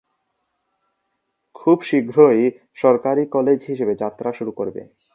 খুব শীঘ্রই সরকারী কলেজ হিসেবে যাত্রা শুরু করবে।